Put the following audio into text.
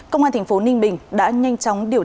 công an thành phố ninh bình đã nhanh chóng điều tra